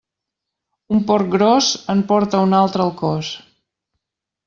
Un porc gros en porta un altre al cos.